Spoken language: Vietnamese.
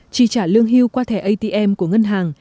chi trả lương hưu qua thẻ atm của ngân hàng